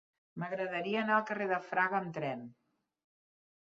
M'agradaria anar al carrer de Fraga amb tren.